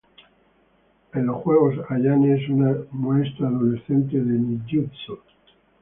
En los juegos, Ayane es una maestra adolescente de Ninjutsu.